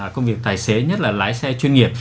công việc tài xế nhất là lái xe chuyên nghiệp